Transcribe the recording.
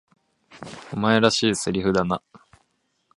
お前らしい台詞だな。